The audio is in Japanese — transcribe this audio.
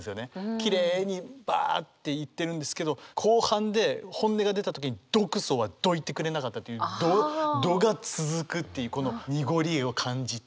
きれいにばあっていってるんですけど後半で本音が出た時に「毒素はどいてくれなかった」という「ど」が続くっていうこの濁りを感じて。